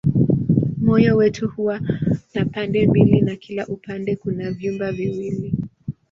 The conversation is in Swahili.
Moyo wetu huwa na pande mbili na kila upande kuna vyumba viwili.